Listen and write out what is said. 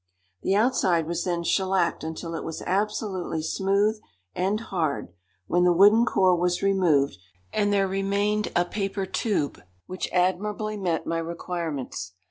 The outside was then shellacked until it was absolutely smooth and hard, when the wooden core was removed, and there remained a paper tube which admirably met my requirements.